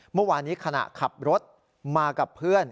เมื่อวานนี้ขณะขับรถมากับเพื่อน